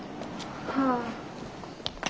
はあ。